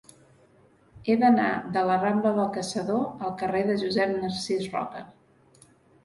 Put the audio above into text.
He d'anar de la rambla del Caçador al carrer de Josep Narcís Roca.